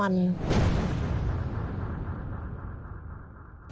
ร้านแบบไว้